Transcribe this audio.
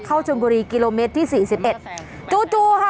ชนบุรีกิโลเมตรที่สี่สิบเอ็ดจู่จู่ค่ะ